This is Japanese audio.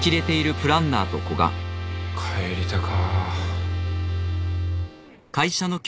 帰りたか。